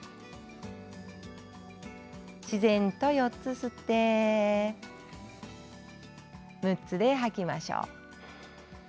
自然と４つで吸って６つで吐きましょう。